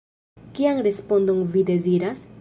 Kian respondon vi deziras?